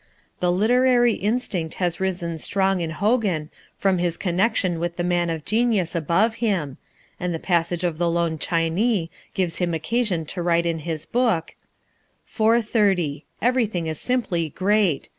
The literary instinct has risen strong in Hogan from his connection with the man of genius above him, and the passage of the lone Chinee gives him occasion to write in his book: "Four thirty. Everything is simply great.